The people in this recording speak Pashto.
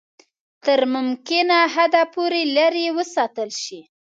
تر ممکنه حده پوري لیري وساتل شي.